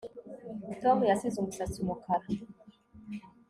Tom yasize umusatsi umukara